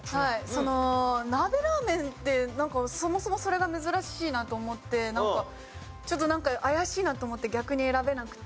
その鍋ラーメンってそもそもそれが珍しいなと思ってちょっとなんか怪しいなと思って逆に選べなくて。